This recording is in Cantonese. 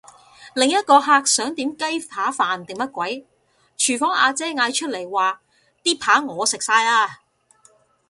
另一個客想點雞扒飯定乜鬼，廚房阿姐嗌出嚟話啲扒我食晒嘞！